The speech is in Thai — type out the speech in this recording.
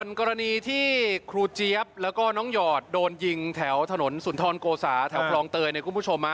กรณีที่ครูเจี๊ยบแล้วก็น้องหยอดโดนยิงแถวถนนสุนทรโกสาแถวคลองเตยเนี่ยคุณผู้ชม